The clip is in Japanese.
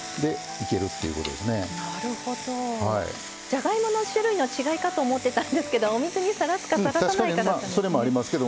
じゃがいもの種類の違いかと思ってたんですけどお水にさらすかさらさないかだったんですね。